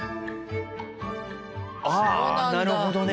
ああなるほどね。